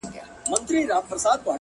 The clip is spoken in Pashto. څه مسافره یمه خير دی ته مي ياد يې خو ـ